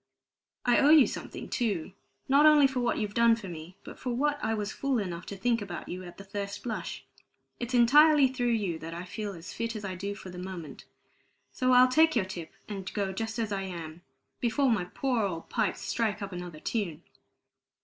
I owe you something, too, not only for what you've done for me, but for what I was fool enough to think about you at the first blush. It's entirely through you that I feel as fit as I do for the moment. So I'll take your tip, and go just as I am, before my poor old pipes strike up another tune."